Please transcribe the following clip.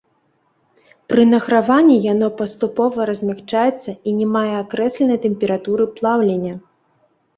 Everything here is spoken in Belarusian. Пры награванні яно паступова размякчаецца і не мае акрэсленай тэмпературы плаўлення.